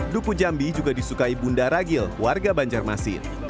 duku jambi juga disukai bunda ragil warga banjarmasin